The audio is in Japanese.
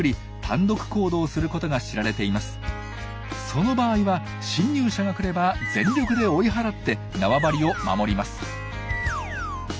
その場合は侵入者が来れば全力で追い払ってなわばりを守ります。